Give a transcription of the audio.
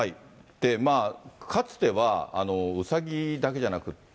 かつては、うさぎだけじゃなくて。